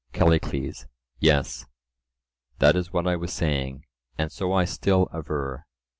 CALLICLES: Yes; that is what I was saying, and so I still aver.